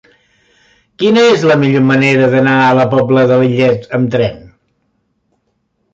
Quina és la millor manera d'anar a la Pobla de Lillet amb tren?